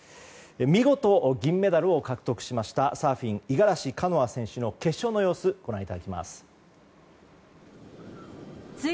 見事、銀メダルを獲得しましたサーフィン、五十嵐カノア選手の決勝の様子をご覧ください。